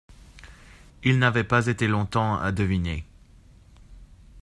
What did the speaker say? Il n'avait pas été longtemps à deviner.